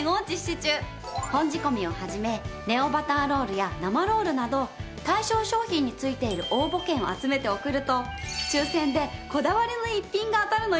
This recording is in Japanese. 本仕込を始めネオバターロールや生ろぉるなど対象商品に付いている応募券を集めて送ると抽選でこだわりの逸品が当たるのよ。